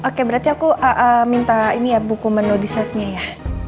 oke berarti aku minta buku menu dessertnya ya